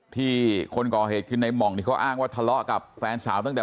คนก่อเหตุคือในห่องนี่เขาอ้างว่าทะเลาะกับแฟนสาวตั้งแต่